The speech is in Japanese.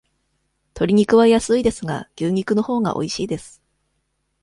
とり肉は安いですが、牛肉のほうがおいしいです。